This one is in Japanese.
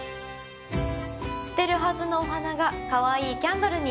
［捨てるはずのお花がカワイイキャンドルに］